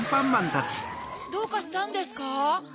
どうかしたんですか？